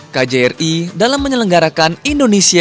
kjri dalam menyelenggarakan indonesia